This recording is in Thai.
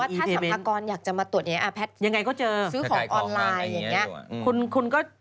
ถ้าสรรพากรอยากจะมาตรวจอย่างนี้แพทย์ยังไงก็เจอซื้อของออนไลน์อย่างนี้